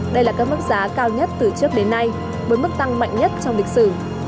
đây là các mức giá cao nhất từ trước đến nay với mức tăng mạnh nhất trong lịch sử